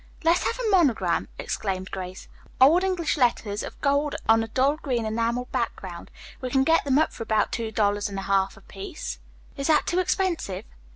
"Let's have a monogram," exclaimed Grace. "Old English letters of gold on a dull green enamel background. We can get them up for about two dollars and a half apiece. Is that too expensive?"